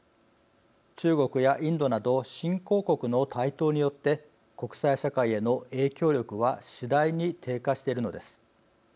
中国やインドなど新興国の台頭によって国際社会への影響力は次第に低下しているのです。